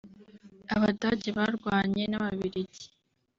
Abadage barwanye n’Ababiligi